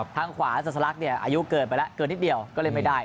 ทางขวาสลักอายุเกิดไปแล้วเกิดนิดเดียวก็เล่นไม่ได้